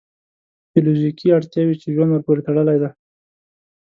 فیزیولوژیکې اړتیاوې چې ژوند ورپورې تړلی دی.